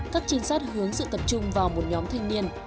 các trinh sát hướng sự tập trung vào một nhóm thanh niên